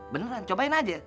beneran cobain aja